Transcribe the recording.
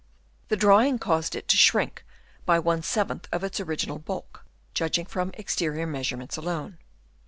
The drying caused it to shrink by ^ of its original bulk, judging from exterior measurements alone.